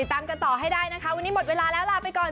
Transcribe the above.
ตามกันต่อให้ได้นะคะวันนี้หมดเวลาแล้วลาไปก่อน